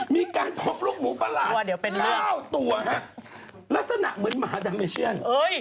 มีการพบลูกหมูประหลาด๙ตัวฮะลักษณะเหมือนหมาดาเมเชียน